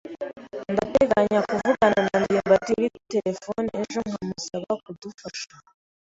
Ndateganya kuvugana na ndimbati kuri terefone ejo nkamusaba kudufasha.